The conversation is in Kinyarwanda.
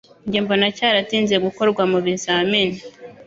Njye mbona cyaratinze gukorwa mubizamini